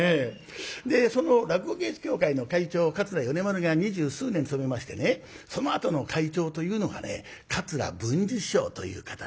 その落語芸術協会の会長桂米丸が二十数年務めましてねそのあとの会長というのがね桂文治師匠という方で。